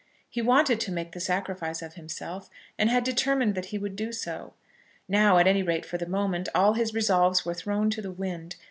He wanted to make the sacrifice of himself, and had determined that he would do so. Now, at any rate for the moment, all his resolves were thrown to the wind.